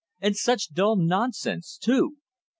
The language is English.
And such dull nonsense too!